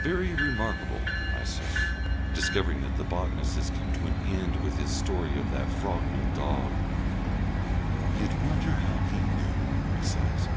"Very remarkable," I say, discovering that the botanist has come to an end with his story of that Frognal dog. "You'd wonder how he knew," he says.